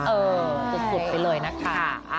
เออสุดไปเลยนะคะ